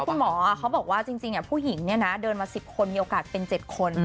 คุณหมอเขาบอกว่าจริงผู้หญิงเดินมา๑๐คนมีโอกาสเป็น๗คน